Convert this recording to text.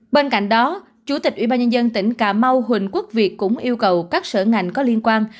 bên cạnh đó chủ tịch ubnd tỉnh cà mau huỳnh quốc việt cũng yêu cầu các sở ngành có liên quan